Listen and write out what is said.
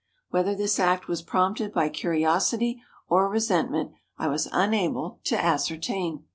Whether this act was prompted by curiosity or resentment I was unable to ascertain."